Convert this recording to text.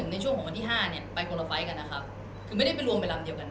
แล้วเขาก็จะจัดเป็นกับจัดที่นั่งมาให้